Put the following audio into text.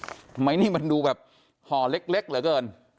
ทำไมนี่มันดูแบบห่อเล็กเหลือเกิน